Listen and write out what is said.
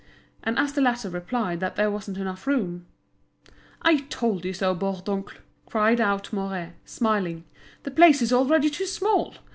And as the latter replied that there wasn't enough room: "I told you so, Bourdoncle," cried out Mouret, smiling; "the place is already too small.